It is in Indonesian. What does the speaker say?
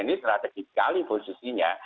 ini strategi sekali posisinya